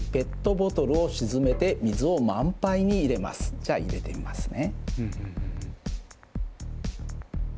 じゃあ入れてみますね。